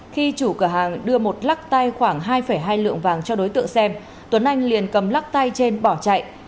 khi chủ cửa hàng đưa một lắc tay khoảng hai hai lượng vàng cho đối tượng xem tuấn anh liền cầm lắc tay trên bỏ chạy